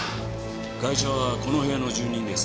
ガイシャはこの部屋の住人です。